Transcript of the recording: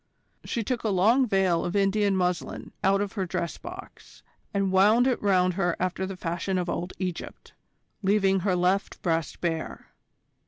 She took a long veil of Indian muslin out of her dress box and wound it round her after the fashion of old Egypt, leaving her left breast bare.